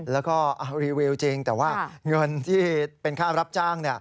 แล้วก็รีวิวจริงแต่ว่าเงินที่เป็นค่ารับจ้าง